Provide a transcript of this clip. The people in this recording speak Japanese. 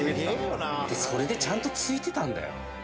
でそれでちゃんと着いてたんだよ。